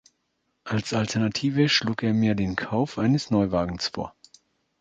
Als Alternative schlug er mir den Kauf eines Neuwagens vor.